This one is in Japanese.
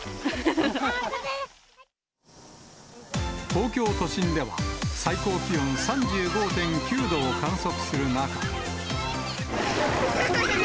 東京都心では、最高気温３５．９度を観測する中。